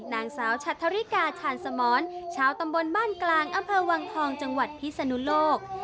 นางสาวชัทธริกาชาญสมรชาวตำบลบ้านกลางอำเภอวังทองจังหวัดพิศนุโลก